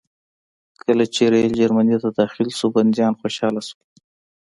کله چې ریل جرمني ته داخل شو بندیان خوشحاله شول